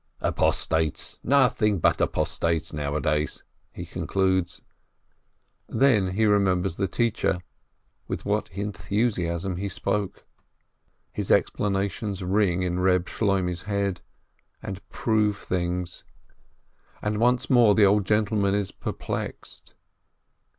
"Apostates, nothing but apostates nowadays," he concludes. Then he remembers the teacher — with what enthusiasm he spoke ! His explanations ring in Reb Shloimeh's head, and prove things, and once more the old gentleman is perplexed.